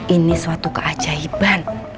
ini suatu keajaiban